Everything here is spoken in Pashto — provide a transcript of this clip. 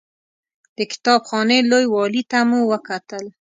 د کتاب خانې لوی والي ته مو وکتل.